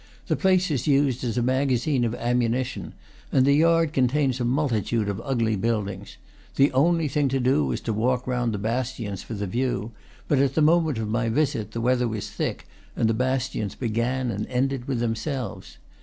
The place is used as a magazine of ammunition, and the yard con tains a multitude of ugly buildings. The only thing to do is to walk round the bastions for the view; but at the moment of my visit the weather was thick, and the bastions began and ended with themselves.